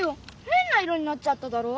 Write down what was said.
へんな色になっちゃっただろ！